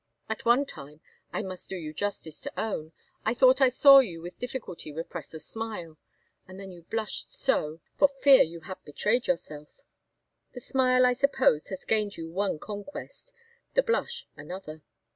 At one time, I must do you the justice to own, I thought I saw you with difficulty repress a smile, and then you blushed so, for fear you had betrayed yourself! The smile I suppose has gained you one conquest the blush another.